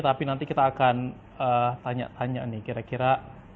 tapi nanti kita akan tanya tanya nih kira kira